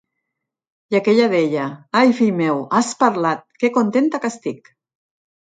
I aquella deia: 'Ai, fill meu, has parlat!, que contenta que estic!'